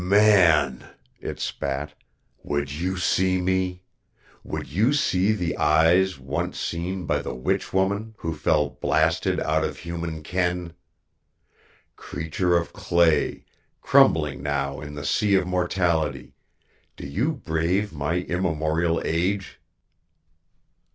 "Man," It spat, "would you see me? Would you see the Eyes once seen by the witch woman, who fell blasted out of human ken? Creature of clay, crumbling now in the sea of mortality, do you brave my immemorial age?"